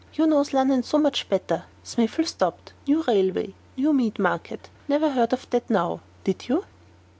You knows Lunnon so much better. Smiffle stopped new railway new meat market never heered of that now, did you?"